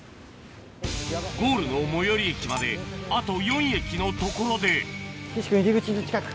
ゴールの最寄り駅まであと４駅のところで岸君入り口近く。